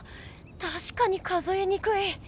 たしかに数えにくい。